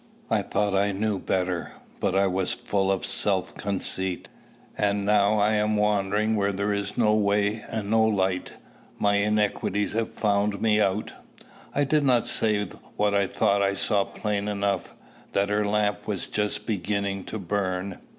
I thought I knew better, but I was full of self conceit. And now I am wandering where there is no way and no light. My iniquities have found me out." I did not say what I thought I saw plain enough, that her lamp was just beginning to burn.